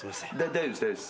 大丈夫です。